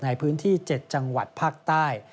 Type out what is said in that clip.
ในพื้นที่๗จังหวัดภาคใต้